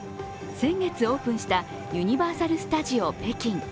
先月オープンしたユニバーサルスタジオ北京。